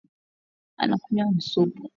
Anakunywa nsupu